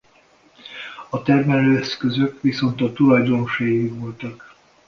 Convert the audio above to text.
A termelőeszközök viszont a tulajdonoséi voltak.